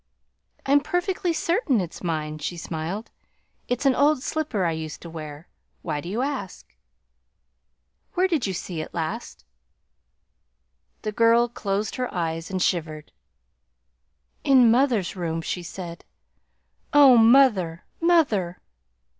"I'm perfectly certain it's mine," she smiled. "It's an old slipper I used to wear. Why do you ask?" "Where did you see it last?" The girl closed her eyes and shivered. "In mother's room," she said. "Oh, mother, mother!"